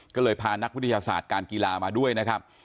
ก็เลยพานักวิทยาศาสตร์การกีฬามาด้วยนะครับ